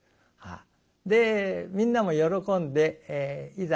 でみんなも喜んでいざ